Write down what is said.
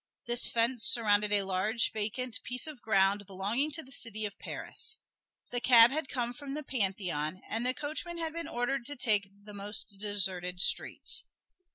This fence surrounded a large, vacant piece of ground belonging to the city of Paris. The cab had come from the Pantheon, and the coachman had been ordered to take the most deserted streets.